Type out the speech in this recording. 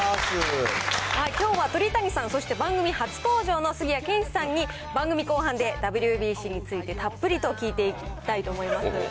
きょうは鳥谷さん、そして番組初登場の杉谷拳士さんに、番組後半でＷＢＣについてたっぷりと聞いていきたいと思います。